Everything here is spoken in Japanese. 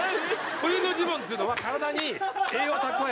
冬のジモンっつうのは体に栄養蓄えて。